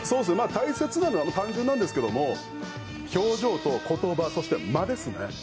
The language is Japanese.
大切なのは単純なんですけど表情と言葉、そして間ですね。